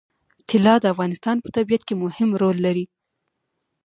طلا د افغانستان په طبیعت کې مهم رول لري.